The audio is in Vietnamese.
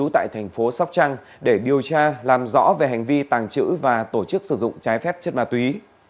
tại thành phố sóc trăng để điều tra làm rõ về hành vi tàng trữ và tổ chức sử dụng trái phép chất ma túy